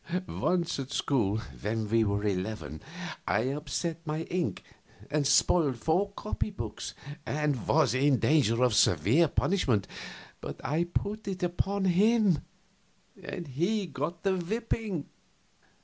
Once at school, when we were eleven, I upset my ink and spoiled four copy books, and was in danger of severe punishment; but I put it upon him, and he got the whipping.